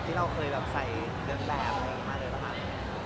ที่เราเคยไซน์เรียบมาเลยเหรอคะ